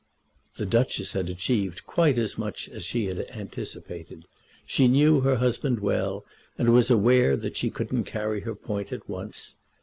The Duchess had achieved quite as much as she had anticipated. She knew her husband well, and was aware that she couldn't carry her point at once.